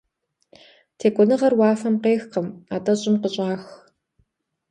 Текӏуэныгъэр уафэм къехкъым, атӏэ щӏым къыщӏах.